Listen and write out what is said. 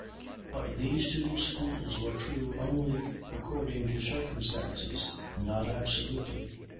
But these two schools were true only according to circumstances, not absolutely.